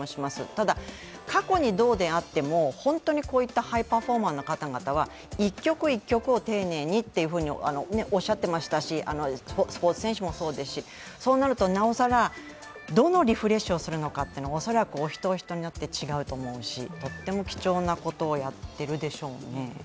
ただ、過去にどうであってもこういったハイパフォーマーの方々は一局一局を丁寧にとおっしゃっていましたしスポーツ選手もそうですし、そうなるとなおさら、どのリフレッシュをするのか、恐らくお一人お一人違うと思うし、とても貴重なことをやっているでしょうね。